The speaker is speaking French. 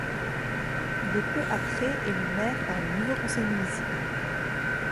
Il est peu après élu maire par le nouveau conseil municipal.